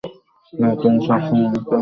না, তুমি সব-সময় আমাকে সন্দেহ করা বন্ধ করো তো।